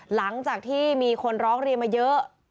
หลังจากที่มีคนร้องเรียนมาเยอะ